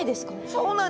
そうなんです。